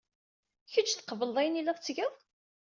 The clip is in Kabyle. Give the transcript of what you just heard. Kecc tqebled ayen ay la tetteg?